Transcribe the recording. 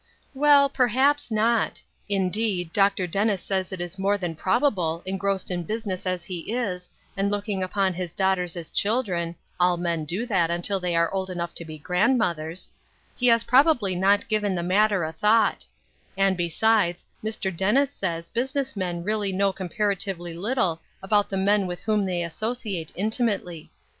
" Well, perhaps not ; indeed, Mr. Dennis says it is more than probable, engrossed in business as he is, and looking upon his daughters as children ■— all men do that, until they are old enough to be grandmothers — he has probably not given the matter a thought ; and, besides, Mr. Dennis says business men really know comparatively little about the men with whom they associate intimately.